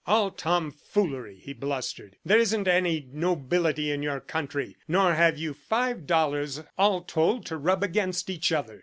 "All tomfoolery!" he blustered. "There isn't any nobility in your country, nor have you five dollars all told to rub against each other.